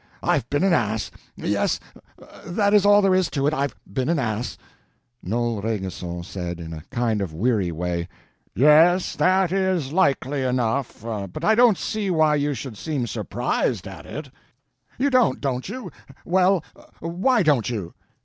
I've been an ass. Yes, that is all there is to it—I've been an ass." Noel Rainguesson said, in a kind of weary way: "Yes, that is likely enough; but I don't see why you should seem surprised at it." "You don't, don't you? Well, why don't you?"